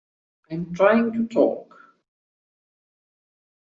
I'm trying to talk!